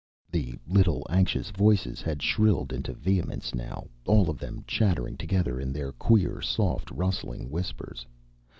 The little anxious voices had shrilled into vehemence now, all of them chattering together in their queer, soft, rustling whispers.